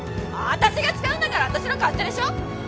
私が使うんだから私の勝手でしょ？